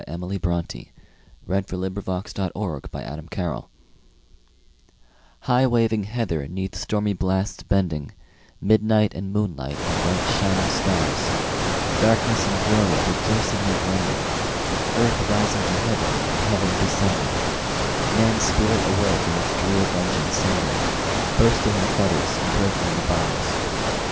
Emily Brontë High waving heather 'neath stormy blasts bending HIGH waving heather 'neath stormy blasts bending, Midnight and moonlight and bright shining stars, Darkness and glory rejoicingly blending, Earth rising to heaven and heaven descending, Man's spirit away from its drear dungeon sending, Bursting the fetters and breaking the bars.